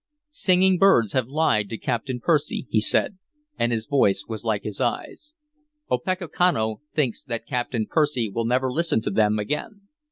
"Singing birds have lied to Captain Percy," he said, and his voice was like his eyes. "Opechancanough thinks that Captain Percy will never listen to them again.